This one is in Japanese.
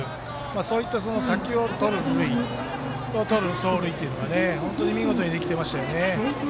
そういった先をとる走塁というのが本当に見事にできてましたよね。